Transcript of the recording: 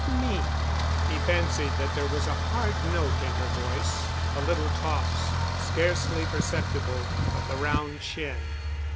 "Me——?" He fancied that there was a hard note in her voice, a little toss, scarcely perceptible, of the rounded chin.